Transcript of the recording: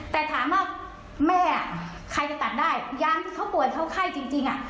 แต่ถามว่าแม่ใครจะตัดได้ยามที่เขาป่วยเขาไข้จริงอ่ะ